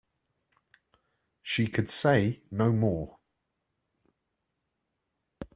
She could say no more.